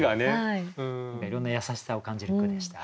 いろんな優しさを感じる句でした。